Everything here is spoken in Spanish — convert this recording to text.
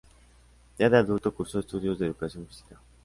Ya de adulto, cursó estudios de educación física.